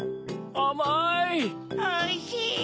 おいしい！